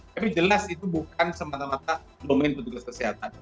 tapi jelas itu bukan semata mata domain petugas kesehatan